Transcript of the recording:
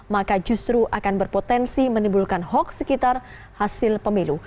maka justru akan berpotensi menimbulkan hoax sekitar hasil pemilu